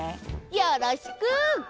よろしく！